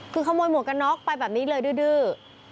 คือขโมยหมวกกันน็อกไปแบบนี้เลยดื้อ